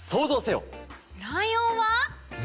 ライオンは？